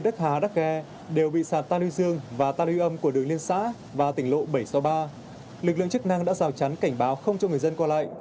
tại huyện đắc tô tỉnh lộ bảy trăm sáu mươi ba lực lượng chức năng đã rào chắn cảnh báo không cho người dân qua lại